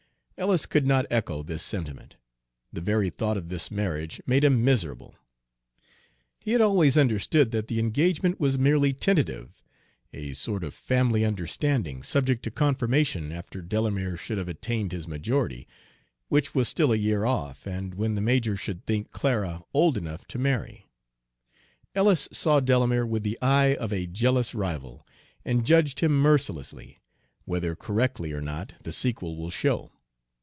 Ellis could not echo this sentiment. The very thought of this marriage made him miserable. He had always understood that the engagement was merely tentative, a sort of family understanding, subject to confirmation after Delamere should have attained his majority, which was still a year off, and when the major should think Clara old enough to marry. Ellis saw Delamere with the eye of a jealous rival, and judged him mercilessly, whether correctly or not the sequel will show.